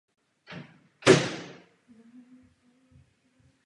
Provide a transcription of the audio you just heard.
Okolí plesa je travnaté a kamenité.